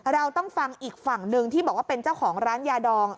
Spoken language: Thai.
เราต้องฟังอีกฝั่งหนึ่งที่บอกว่าเป็นเจ้าของร้านยาดอง